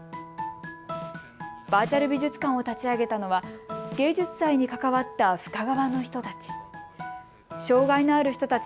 バーチャル美術館を立ち上げたのは芸術祭に関わった深川の人たち。